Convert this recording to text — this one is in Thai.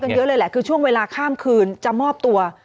เยอะเลยแหละคือช่วงเวลาข้ามคืนจะมอบตัว